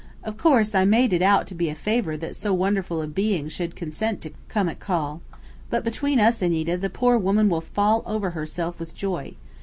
Of course, I made it out to be a favour that so wonderful a being should consent to come at call. But between us, Anita, the poor woman will fall over herself with joy.